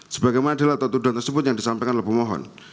sebagai manalah tentu doa tersebut yang disampaikan oleh pemohon